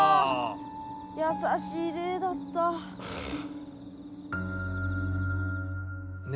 優しい霊だった。ね。